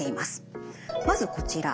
まずこちら。